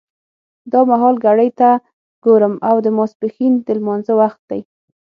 دا مهال ګړۍ ته ګورم او د ماسپښین د لمانځه وخت دی.